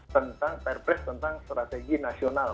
tentang perpres tentang strategi nasional